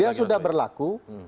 dia sudah berlaku